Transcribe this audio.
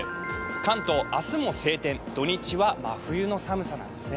関東、明日も晴天、土日は真冬の寒さなんですね。